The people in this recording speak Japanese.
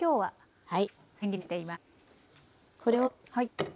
はい。